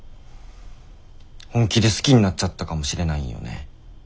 本気で好きになっちゃったかもしれないんよね